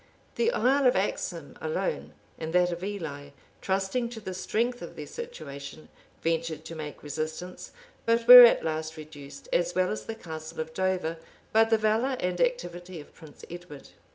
The Isle of Axholme alone, and that of Ely, trusting to the strength of their situation, ventured to make resistance; but were at last reduced, as well as the Castle of Dover, by the valor and activity of Prince Edward.